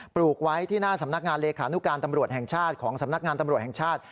ปลูกไว้ที่หน้าสำนักงานเลขานุการตำรวจแห่งชาติของสำนักงานตำรวจแห่งชาติ